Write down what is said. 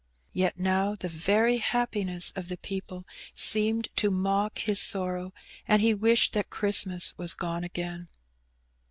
Yet now the very happiness of the people seemed to mock his sorrow^ and he wished that Christmas was gone again.